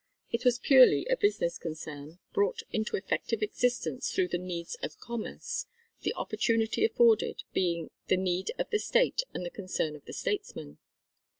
It was purely a business concern, brought into effective existence through the needs of commerce, the opportunity afforded being the need of the State and the concern of the statesman.